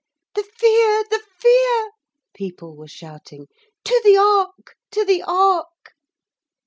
'The Fear! The Fear!' people were shouting. 'To the ark! to the ark!'